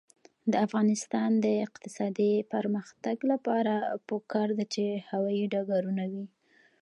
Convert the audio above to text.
د افغانستان د اقتصادي پرمختګ لپاره پکار ده چې هوايي ډګرونه وي.